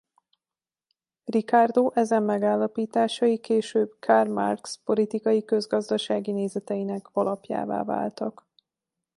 Ricardo ezen megállapításai később Karl Marx politikai–közgazdasági nézeteinek alapjává váltak.